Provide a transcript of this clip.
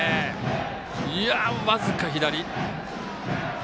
僅か左。